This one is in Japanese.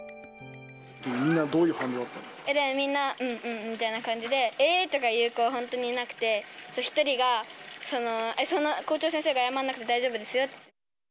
みんなどういう反応だったんみんな、うんうんみたいな感じで、えー！とか言う子は本当になくて、一人がそんな、校長先生が謝らなくて大丈夫ですよって。